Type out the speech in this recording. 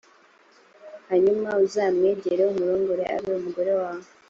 hanyuma uzamwegere umurongore, abe umugore wawe.